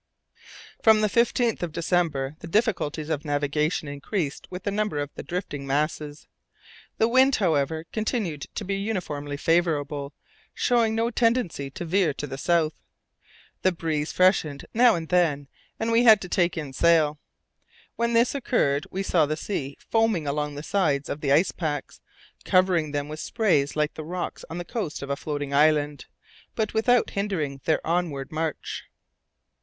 From the 15th of December the difficulties of navigation increased with the number of the drifting masses. The wind, however, continued to be uniformly favourable, showing no tendency to veer to the south. The breeze freshened now and then, and we had to take in sail. When this occurred we saw the sea foaming along the sides of the ice packs, covering them with spray like the rocks on the coast of a floating island, but without hindering their onward march.